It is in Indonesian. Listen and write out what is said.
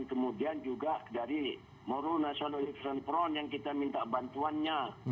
dan kemudian juga dari moro national revolution front yang kita minta bantuannya